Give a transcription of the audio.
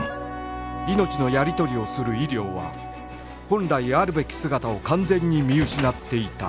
命のやり取りをする医療は本来あるべき姿を完全に見失っていた